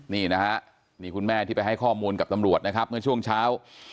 นี่คุณแม่ที่ไปให้ข้อมูลกับตำรวจเมื่อช่วงเช้า